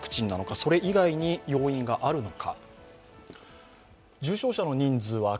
それ以外に、要因があるのか。